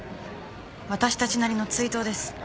私たちなりの追悼です。